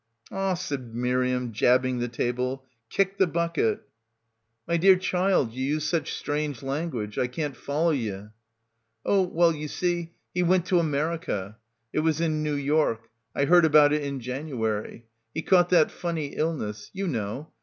"Aw," said Miriam, jabbing the table, "kicked the bucket." — 167 — PILGRIMAGE "My dear child, you use such strange language — I can't follow ye." "Oh well, you see, he went to America. It was in New York. I heard about it in January. He caught that funny illness. You know.